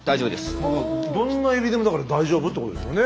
どんなエビでもだから大丈夫ってことですよね。